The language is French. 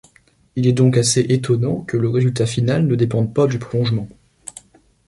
Il est donc assez étonnant que le résultat final ne dépende pas du plongement.